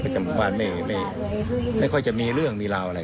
ประจำบ้านไม่ไม่ไม่ค่อยจะมีเรื่องมีราวอะไร